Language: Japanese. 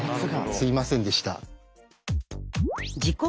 すいませんでした。